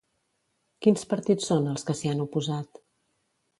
Quins partits són els que s'hi han oposat?